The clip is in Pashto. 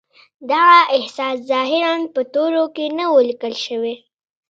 دغه احساس ظاهراً په تورو کې نه و ليکل شوی.